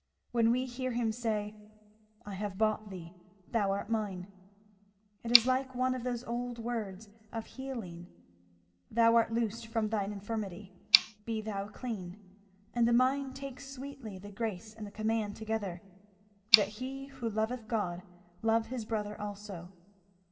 When we hear him say, 'I have bought thee thou art mine,' it is like one of those old words of healing, 'Thou art loosed from thine infirmity,' 'Be thou clean,' and the mind takes sweetly the grace and the command together, 'That he who loveth God love his brother also.'